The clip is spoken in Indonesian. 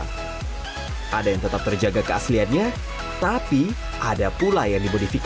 nah kalau kaki kambing itu kemungkinan besar memang pengaruh dari india selatan atau arab yang harus ada kapu laganya ada kayu manis